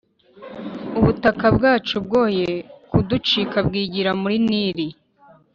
ubutaka bwacu bwoye kuducika bwigira muri nili